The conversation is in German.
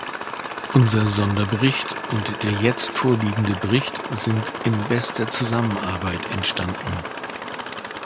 Unser Sonderbericht und der jetzt vorliegende Bericht sind in bester Zusammenarbeit entstanden.